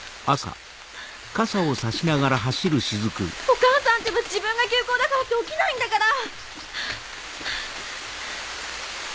お母さんってば自分が休講だからって起きないんだから！